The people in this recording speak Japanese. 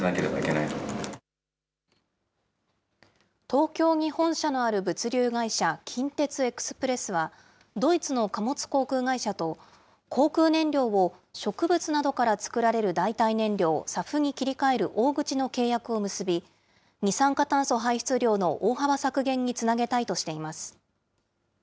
東京に本社のある物流会社、近鉄エクスプレスは、ドイツの貨物航空会社と、航空燃料を植物などから作られる代替燃料、ＳＡＦに切り替える大口の契約を結び、二酸化炭素排出量の大幅削減につなげたいとしています。